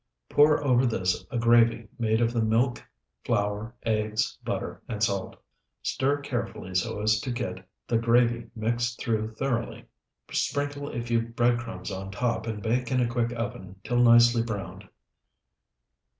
Pour over this a gravy made of the milk, flour, eggs, butter, and salt. Stir carefully so as to get the gravy mixed through thoroughly. Sprinkle a few bread crumbs on top and bake in a quick oven till nicely browned.